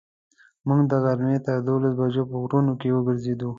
موږ د غرمې تر دولسو بجو په غرونو کې وګرځېدو.